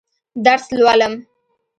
درس لولم.